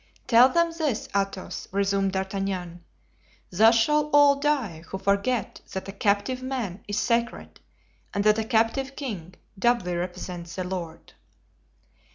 "Tell them this, Athos," resumed D'Artagnan; "thus shall all die who forget that a captive man is sacred and that a captive king doubly represents the Lord."